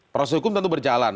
proses hukum tentu berjalan